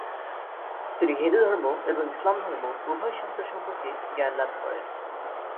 তিনি হিন্দুধর্ম এবং ইসলামধর্ম উভয় শাস্ত্র সম্পর্কে জ্ঞান লাভ করেন।